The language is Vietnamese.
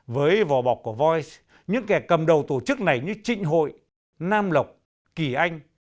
với vò bọc của voice những kẻ cầm đầu tổ chức này như trịnh hội nam lộc kỳ anh